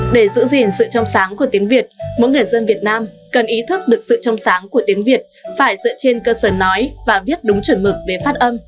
để giữ gìn sự trong sáng của tiếng việt mỗi người dân việt nam cần ý thức được sự trong sáng của tiếng việt phải dựa trên cơ sở nói và viết đúng chuẩn mực về phát âm